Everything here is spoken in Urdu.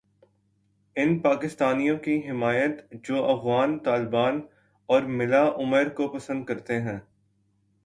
ان پاکستانیوں کی حمایت جوافغان طالبان اور ملا عمر کو پسند کرتے ہیں۔